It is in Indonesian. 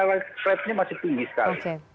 karena rate nya masih tinggi sekali